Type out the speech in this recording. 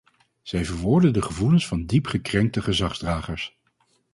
Zij verwoorden de gevoelens van diep gekrenkte gezagsdragers.